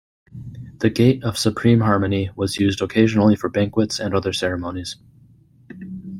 The Gate of Supreme Harmony was used occasionally for banquets and other ceremonies.